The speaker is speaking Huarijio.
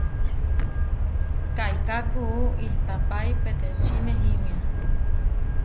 Kaiká kuú ihtapái peteči nehímia.